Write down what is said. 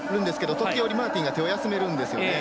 時々マーティンが手を休めるんですよね。